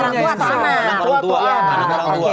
nah ada dua